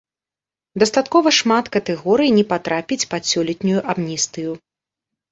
Дастаткова шмат катэгорый не патрапіць пад сёлетнюю амністыю.